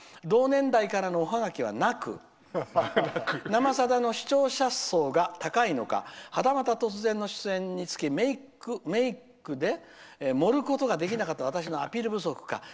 同年代からのおハガキはなく「生さだ」の視聴者層が高いのかはたまた、突然の出演につきメークで盛ることができなかった私のアピール不足か。